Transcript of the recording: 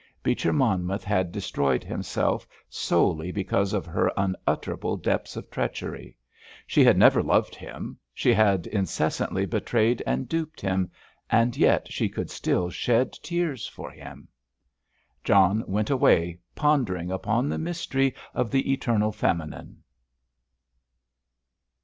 Beecher Monmouth had destroyed himself solely because of her unutterable depths of treachery. She had never loved him; she had incessantly betrayed and duped him, and yet she could still shed tears for him! John went away pondering upon the mystery of the eternal feminine.